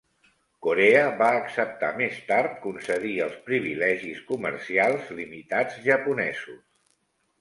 Corea va acceptar més tard concedir els privilegis comercials limitats japonesos.